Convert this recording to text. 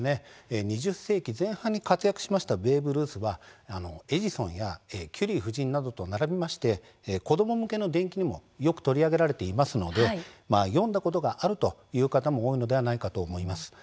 ２０世紀前半に活躍したベーブ・ルースはエジソンやキュリー夫人などと並びまして子ども向けの伝記にもよく取り上げられていますので読んだことがあるという方も多いのではないかと思います。